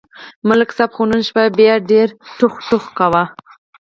ملک صاحب خو نن شپه بیا ډېر ټوخ ټوخ کاوه